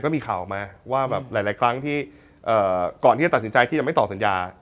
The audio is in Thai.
มีข่าวออกมาว่าแบบหลายครั้งที่ก่อนที่จะตัดสินใจที่จะไม่ตอบสัญญา